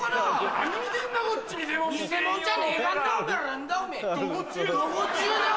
何見てんだこっち見てよ。